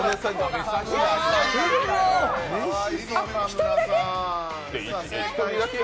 １人だけ？